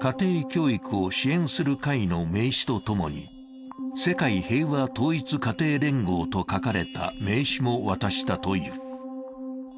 家庭教育を支援する会の名刺と共に、世界平和統一家庭連合と書かれた名刺も渡したという。